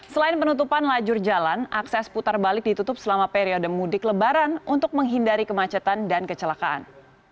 selain penutupan lajur jalan akses putar balik ditutup selama periode mudik lebaran untuk menghindari kemacetan dan kecelakaan